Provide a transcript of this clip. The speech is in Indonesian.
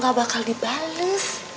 gak bakal dibalas